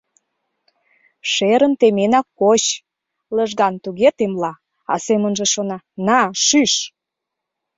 Шерым теменак коч, — лыжган туге темла, а семынже шона: «На, шӱш!